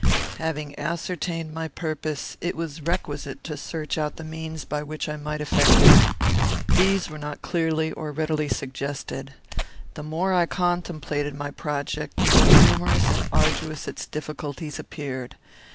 "Having ascertained my purpose, it was requisite to search out the means by which I might effect it. These were not clearly or readily suggested. The more I contemplated my project, the more numerous and arduous its difficulties appeared.